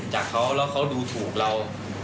จากเขาแล้วเขาดูถูกเรา